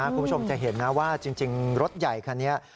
คุณผู้ชมจะเห็นนะว่าจริงรถใหญ่คันนี้